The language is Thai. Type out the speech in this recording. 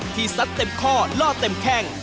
ที่สัดเต็มข้อล่อเต็มแข่ง